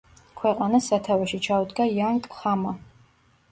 ქვეყანას სათავეში ჩაუდგა იან კჰამა.